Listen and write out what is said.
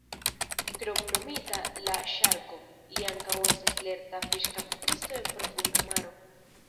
Kromnomita "La Ŝarko", li ankaŭ estas lerta fiŝkaptisto en profunda maro.